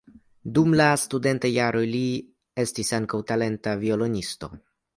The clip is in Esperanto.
Dum la studentaj jaroj li estis ankaŭ talenta violonisto.